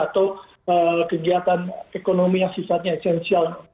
atau kegiatan ekonomi yang sifatnya esensial